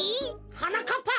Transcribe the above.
はなかっぱ！